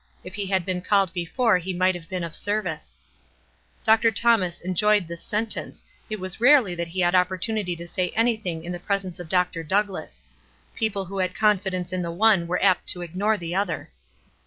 If he had been called before he might have been of service."' Dr. Thomas enjoyed this sentence — it was rare ly that he had opportunity to say anything in the presence of Dr. Douglass ; people who had confidence in the one were apt to ignore the other.